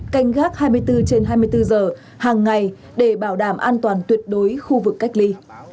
canh gác hai mươi bốn trên hai mươi bốn giờ hàng ngày để bảo đảm an toàn tuyệt đối khu vực cách ly